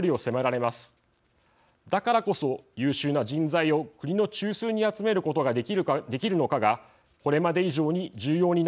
だからこそ優秀な人材を国の中枢に集めることができるのかがこれまで以上に重要になっていると思います。